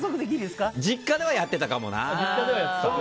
実家ではやっていたかもな。